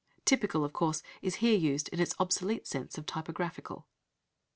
"Typical," of course, is here used in its obsolete sense of "typographical."